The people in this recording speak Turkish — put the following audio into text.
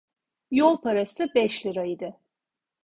Yol parası beş lira idi.